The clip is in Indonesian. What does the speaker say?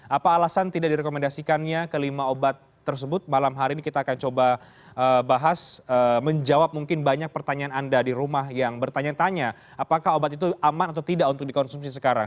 apa alasan tidak direkomendasikannya kelima obat tersebut malam hari ini kita akan coba bahas menjawab mungkin banyak pertanyaan anda di rumah yang bertanya tanya apakah obat itu aman atau tidak untuk dikonsumsi sekarang